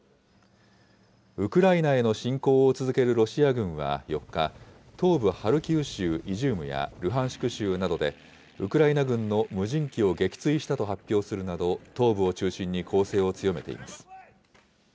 ウクライナへの侵攻を続けるロシア軍は４日、東部ハルキウ州イジュームや、ルハンシク州などで、ウクライナ軍の無人機を撃墜したと発表するなど、東部を中心に攻勢を強めています。